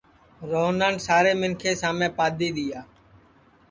روہنان سارے منکھیں سامے پادؔی دؔیا